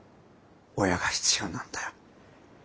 親が必要なんだよ。